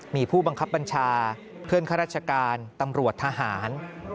มีผู้บังคับบัญชาเพื่อนข้าราชการตำรวจทหาร